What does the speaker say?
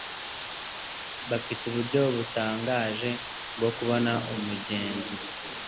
Bafite uburyo butangaje bwo kubona umugezi.